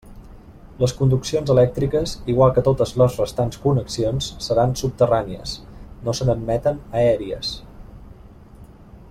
Les conduccions elèctriques, igual que totes les restants connexions, seran subterrànies, no se n'admeten aèries.